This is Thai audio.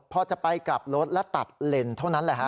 พอจะไปกลับรถและตัดเลนเท่านั้นแหละฮะ